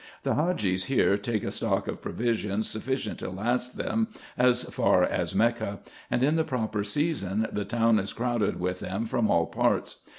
The Hadgees here take a stock of provision sufficient to last them as far as Mecca, and in the proper season the town is crowded with them from all parts.